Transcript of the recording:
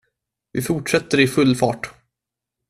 Vi fortsätter i full fart.